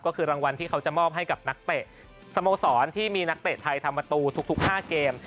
ก็คือรางวัลที่เขาจะมอบให้กับนักเตะสโมสรที่มีนักเตะไทยทำประตูทุก๕เกม